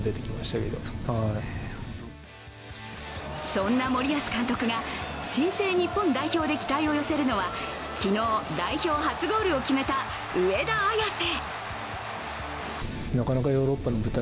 そんな森保監督が新生日本代表で期待を寄せるのは昨日、代表初ゴールを決めた上田綺世。